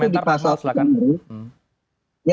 baik anda ada komentar